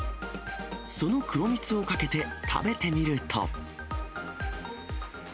その黒みつをかけて、食べてみると。